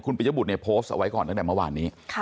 ปิยบุตรเนี่ยโพสต์เอาไว้ก่อนตั้งแต่เมื่อวานนี้